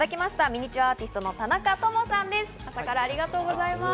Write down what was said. ミニチュアアーティストの田中智さんです。